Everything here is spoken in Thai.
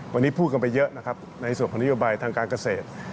วันนี้พูดกันไปเยอะนะครับในส่วนของนโยบายทางการเกษตร